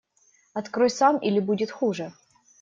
Открой сам, или будет хуже!